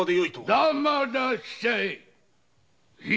黙らっしゃい。